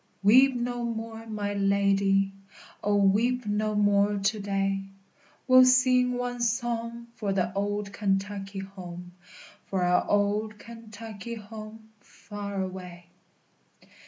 CHORUS. _Weep no more, my lady; O, weep no more to day! We'll sing one song for the old Kentucky home, For our old Kentucky home far away.